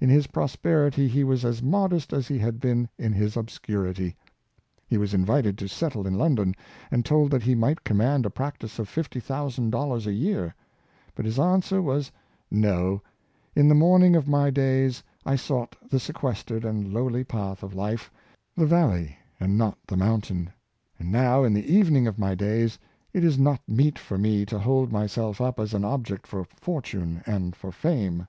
In his prosperity he was as modest as he had been in his obscurity. He was invited to settle in. London, and told that he might command a practice of $50,000 a year. But his answer was, " No ! In the Dr. BelL ■ 267 morning of my days I sought the sequestered and low ly paths of life — the valley, and not the mountain — and now, in the evening of my days, it is not meet for me to hold myself up as an object for fortune and for fame.